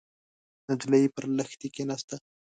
نجلۍ پر لښتي کېناسته.